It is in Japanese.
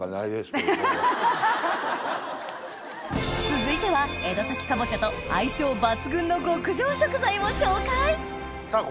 続いては江戸崎かぼちゃと相性抜群の極上食材を紹介さぁ